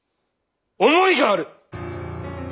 思いがある！